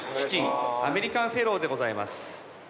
アメリカンフェローでございます。